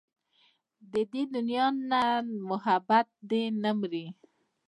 د دې دنيا نه محبت دې نه مري